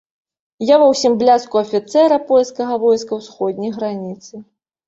А ва ўсім бляску афіцэра польскага войска ўсходняй граніцы.